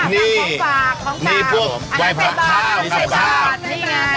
นี่นี่พวกไฟบาทข้าวไฟบาทนี่ไงมีกระแบบนี่ไง